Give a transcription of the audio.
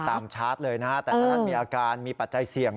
ตามชาร์จเลยนะแต่ถ้าท่านมีอาการมีปัจจัยเสี่ยง